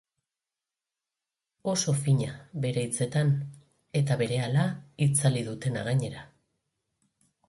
Oso fina, bere hitzetan, eta berehala itzali dutena gainera.